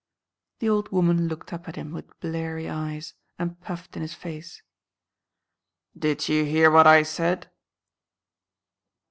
The old woman looked up at him with bleary eyes, and puffed in his face. "Did you hear what I said?"